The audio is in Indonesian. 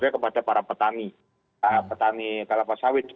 kepada para petani petani kelapa sawit